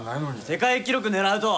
世界記録狙うと。